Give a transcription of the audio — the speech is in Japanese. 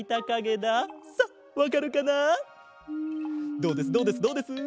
どうですどうですどうです？